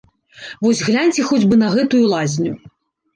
Вось гляньце хоць бы на гэтую лазню.